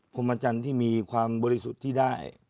พรมจันทร์ที่มีความบริสุทธิ์ที่ได้